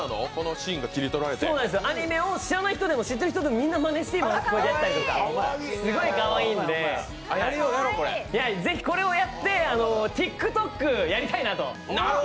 アニメを知らない人も知ってる人でもみんなまねしてるすごいかわいいんで、ぜひこれをやってＴｉｋＴｏｋやりたいなと。